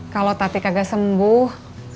kalau tati kagak sembuh